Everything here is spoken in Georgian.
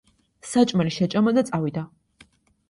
საჭმელი შეჭამა და წავიდა.